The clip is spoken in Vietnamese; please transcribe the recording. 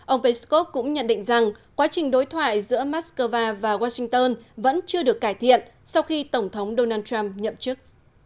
ông peskov cũng nhận định rằng quá trình đối thoại giữa moscow và washington vẫn chưa được cải thiện sau khi tổng thống donald trump nhậm chức